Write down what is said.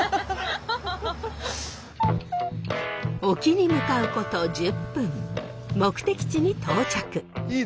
沖に向かうこと１０分目的地に到着。